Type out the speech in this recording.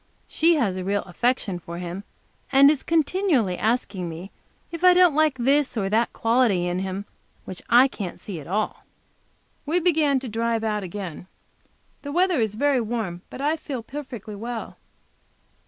She has a real affection for him, and is continually asking me if I don't like this and that quality in him which I can't see at all. We begin to drive out again. The weather is, very warm, but I feel perfectly well.